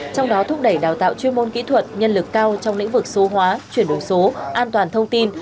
trong đó thúc đẩy đào tạo chuyên môn kỹ thuật nhân lực cao trong lĩnh vực số hóa chuyển đổi số an toàn thông tin